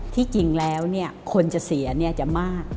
ที่จริงแล้วคนจะเสียจะมาก